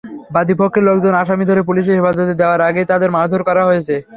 বাদীপক্ষের লোকজন আসামি ধরে পুলিশের হেফাজতে দেওয়ার আগেই তাঁদের মারধর করা হয়েছে।